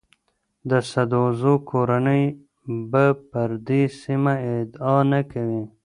د سدوزو کورنۍ به پر دې سیمو ادعا نه کوي.